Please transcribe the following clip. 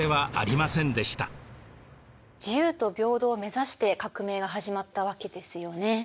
自由と平等を目指して革命が始まったわけですよね。